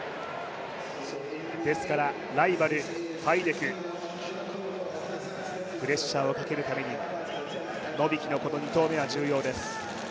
ですからライバル・ファイデク、プレッシャーをかけるためにノビキの２投目は重要です。